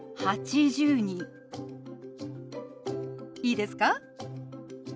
いいですか？